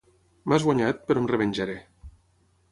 M'has guanyat, però em revenjaré.